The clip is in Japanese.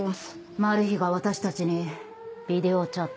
マル被が私たちにビデオチャット